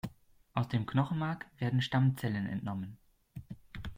Aus dem Knochenmark werden Stammzellen entnommen.